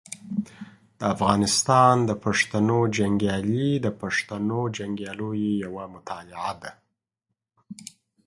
د افغانستان د پښتنو جنګیالي د پښتنو جنګیالیو یوه مطالعه ده.